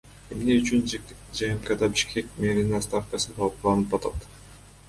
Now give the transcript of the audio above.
Эмне үчүн ЖМКда Бишкек мэринин отставкасы талкууланып атат?